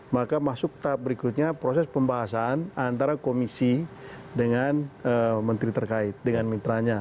maka masuk tahap berikutnya proses pembahasan antara komisi dengan menteri terkait dengan mitranya